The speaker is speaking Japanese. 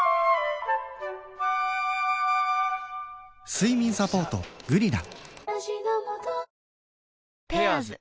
睡眠サポート「グリナ」